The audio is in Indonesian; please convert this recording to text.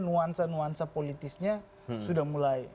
nuansa nuansa politisnya sudah mulai